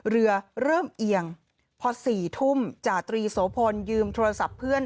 เรือเริ่มเอียงพอ๔ทุ่มจาตรีโสพลยืมโทรศัพท์เพื่อน